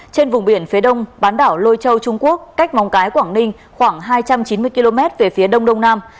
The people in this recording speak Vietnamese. trên vùng biển phía đông bán đảo lôi châu trung quốc cách móng cái quảng ninh khoảng hai trăm chín mươi km về phía đông đông nam